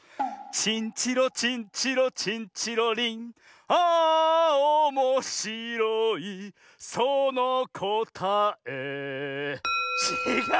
「チンチロチンチロチンチロリン」「あおもしろいそのこたえ」ちがう！